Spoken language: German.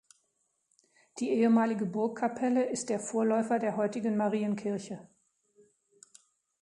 Die ehemalige Burgkapelle ist der Vorläufer der heutigen Marienkirche.